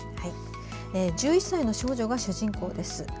１１歳の少女が主人公です。